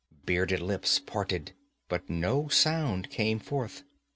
Bearded lips parted but no sound came forth.